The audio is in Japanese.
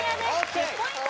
１０ポイント